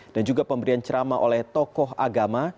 dan juga pemberian ceramah oleh tokoh agama